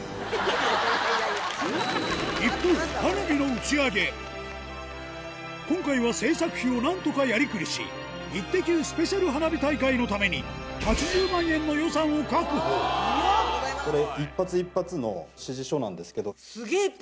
一方今回は制作費をなんとかやりくりしイッテ Ｑ！ スペシャル花火大会のために８０万円の予算を確保そうなんですよ。